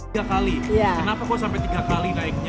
tiga kali kenapa kok sampai tiga kali naiknya